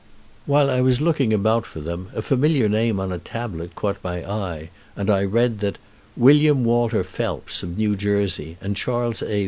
While I was looking about for them a familiar name on a tablet caught my eye, and I read that "William Walter Phelps, of New Jersey, and Charles A.